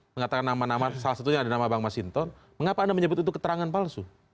mengatakan nama nama salah satunya ada nama bang masinton mengapa anda menyebut itu keterangan palsu